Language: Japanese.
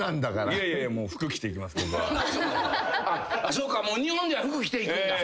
そうか日本では服着ていくんだ。